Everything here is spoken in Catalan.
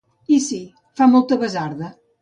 I sí, fa molta basarda.